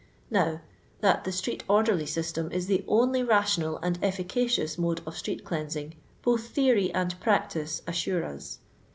Now, that the street orderly system is the only rational and efficacious mode of street cleansing both theory and practice assure us.